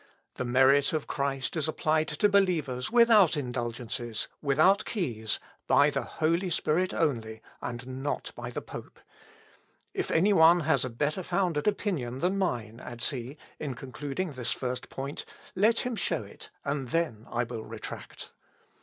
The merit of Christ is applied to believers without indulgences, without keys, by the Holy Spirit only, and not by the pope. If any one has a better founded opinion than mine," adds he, in concluding this first point, "let him show it, and then I will retract."